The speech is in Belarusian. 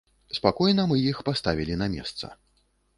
Спакойна мы іх паставілі на месца.